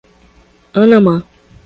Anamã